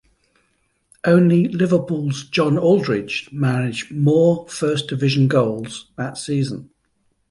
Only Liverpool's John Aldridge managed more First Division goals that season.